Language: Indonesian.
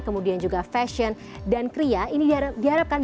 kemudian juga fashion dan kria ini diharapkan bisa diberikan oleh pembukaan